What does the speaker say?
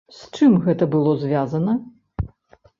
З чым гэта было звязана?